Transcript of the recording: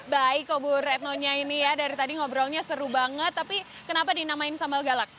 baik kok bu retno nya ini ya dari tadi ngobrolnya seru banget tapi kenapa dinamain sambal galak